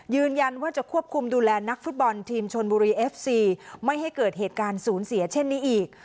ยืนยันว่าจะควบคุมดูแลนักฟุตบอลทีมชนบุรีเอฟซีไม่ให้เกิดเหตุการณ์ศูนย์เสียเช่นนี้อีก